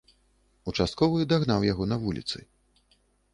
Участковы дагнаў яго на вуліцы.